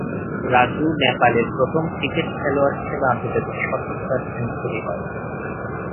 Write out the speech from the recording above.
রাজু নেপালের প্রথম ক্রিকেট খেলয়াড় হিসেবে আন্তর্জাতিক শতক বা সেঞ্চুরি করেন।